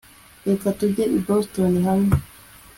reka tujye i boston hamwe